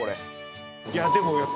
いやでもやっぱり。